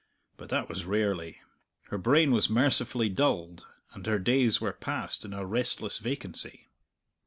But that was rarely. Her brain was mercifully dulled, and her days were passed in a restless vacancy.